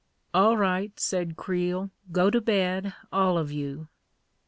44 All right," said Creel; 44 go to bed, all of you."